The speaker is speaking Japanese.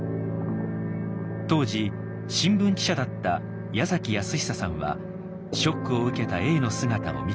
当時新聞記者だった矢崎泰久さんはショックを受けた永の姿を見ていました。